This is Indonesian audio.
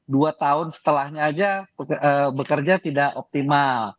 dua tahun setelahnya aja bekerja tidak optimal